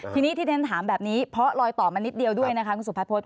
ทีนี้ที่ท่านถามแบบนี้เพราะลอยตอบมานิดเดียวด้วยคุณสุภัทพศ